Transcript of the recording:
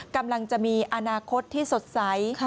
กำลังจะมีอนาคตที่สดใส